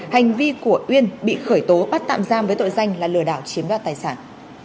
hành vi của uyên bị khởi tố bắt tạm giam với tội danh là lừa đảo chiếm đoạt tài sản